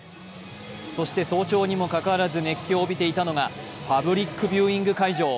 そして早朝にもかかわらず熱気を帯びていたのがパブリックビューイング会場。